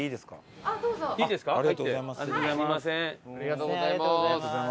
ありがとうございます。